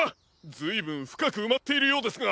ずいぶんふかくうまっているようですが。